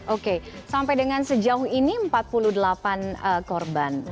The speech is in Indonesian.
oke sampai dengan sejauh ini empat puluh delapan korban